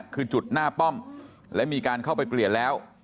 คือจุดหน้าป้อมและมีการเข้าไปเปลี่ยนแล้ว